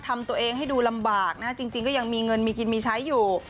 ทำตัวเองให้ดูลำบากนะฮะจริงก็ยังมีเงินมีกินมีใช้อยู่